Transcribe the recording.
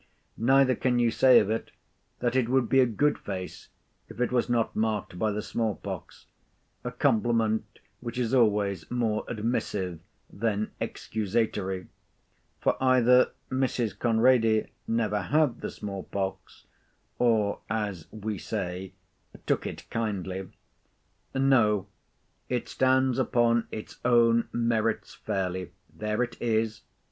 Neither can you say of it, that it would be a good face if it was not marked by the small pox—a compliment which is always more admissive than excusatory—for either Mrs. Conrady never had the small pox; or, as we say, took it kindly. No, it stands upon its own merits fairly. There it is.